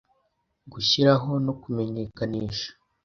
gushyiraho no kumenyekanisha